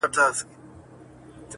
زه به دي تل په ياد کي وساتمه.